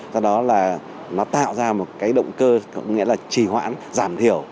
do đó là nó tạo ra một cái động cơ có nghĩa là trì hoãn giảm thiểu